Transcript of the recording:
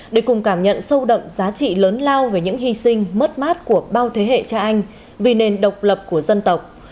để cùng cảm nhận sâu đậm giá trị lớn lao về những hy sinh mất mát của bao thế hệ cha anh vì nền độc lập của dân tộc